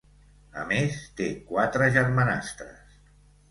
A més, té quatre germanastres.